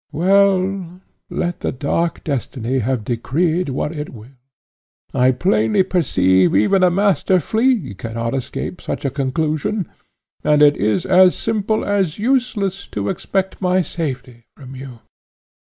Well, let the dark destiny have decreed what it will, I plainly perceive even a Master Flea cannot escape such a conclusion, and it is as simple as useless to expect my safety from you.